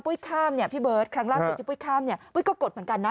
ข้ามเนี่ยพี่เบิร์ตครั้งล่าสุดที่ปุ้ยข้ามเนี่ยปุ้ยก็กดเหมือนกันนะ